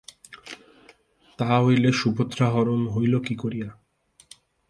তাহা হইলে সুভদ্রাহরণ হইল কি করিয়া!